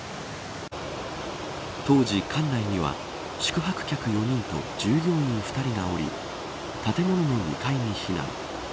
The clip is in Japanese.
当時、館内には宿泊客４人と従業員２人がおり建物の２階に避難。